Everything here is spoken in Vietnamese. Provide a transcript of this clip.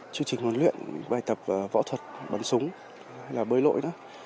chương trình huấn luyện bài tập võ thuật bắn súng bơi lội